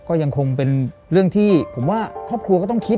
ก็ยังคงเป็นเรื่องที่ผมว่าครอบครัวก็ต้องคิด